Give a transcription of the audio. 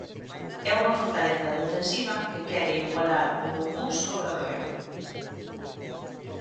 E unha fortaleza defensiva que quere igualar o Monbús Obradoiro.